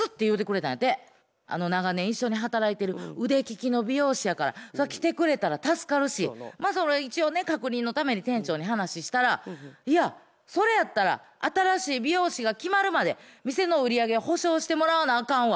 長年一緒に働いてる腕利きの美容師やからそれは来てくれたら助かるし一応確認のために店長に話ししたら「いやそれやったら新しい美容師が決まるまで店の売り上げは補償してもらわなあかんわ。